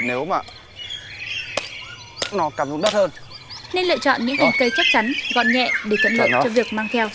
nên lựa chọn những trang phục càng thiên đáo